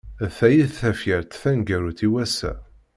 D ta i d tafyirt taneggarut i wass-a.